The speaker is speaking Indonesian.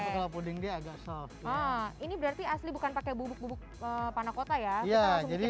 keras ya kalau puding dia agak soft ini berarti asli bukan pakai bubuk bubuk panah kota ya jadi